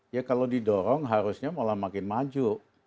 ya kalau didorong harusnya malah makin maju